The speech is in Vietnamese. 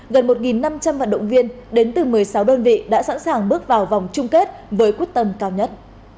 gần một năm trăm linh vận động viên đến từ một mươi sáu đơn vị đã sẵn sàng bước vào vòng chung kết với quyết tâm cao nhất